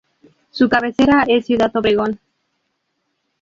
Su cabecera es Ciudad Obregón.